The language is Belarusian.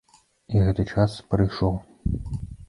І гэты час прыйшоў.